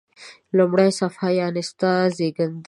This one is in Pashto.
لومړی صفحه: یعنی ستا زیږېدنه.